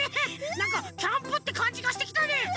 なんかキャンプってかんじがしてきたね！